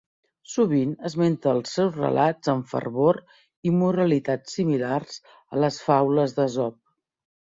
Sovint esmenta els seus relats amb fervor i moralitats similars a les faules d'Esop.